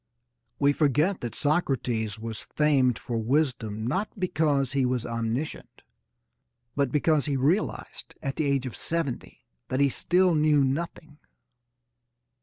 We forget that Socrates was famed for wisdom not because he was omniscient but because he realised at the age of seventy that he still knew nothing.